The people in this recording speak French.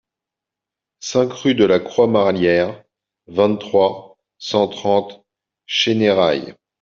cinq rue de la Croix Marlière, vingt-trois, cent trente, Chénérailles